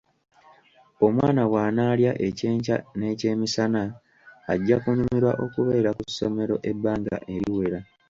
Omwana bw'anaalya ekyenkya n'ekyemisana, ajja kunyumirwa okubeera ku ssomero ebbanga eriwera.